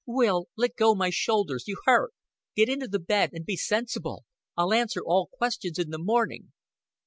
"Will, let go my shoulders. You hurt. Get into the bed and be sensible. I'll answer all questions in the morning."